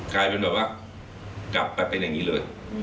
กลายเป็นแบบว่ากลับไปเป็นอย่างนี้เลย